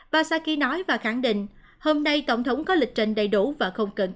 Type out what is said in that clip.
bà psaki nói và khẳng định hôm nay tổng thống có lịch trình đầy đủ và không cần